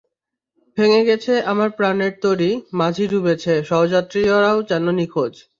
ভেঙে গেছে আমার প্রাণের তরী, মাঝি ডুবেছে, সহযাত্রীরাও যেন হয়েছে নিখোঁজ।